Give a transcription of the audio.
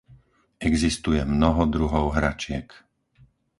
Existuje mnoho druhov hračiek.